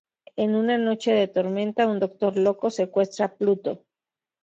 En una noche de tormenta, un Doctor Loco secuestra a Pluto.